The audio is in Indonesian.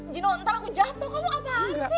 jino ntar aku jatuh kamu apaan sih